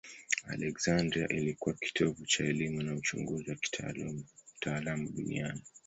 Aleksandria ilikuwa kitovu cha elimu na uchunguzi wa kitaalamu duniani.